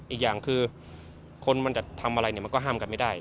อีกอย่างคือคนมันจะทำอะไรเนี่ยมันก็ห้ามกันไม่ได้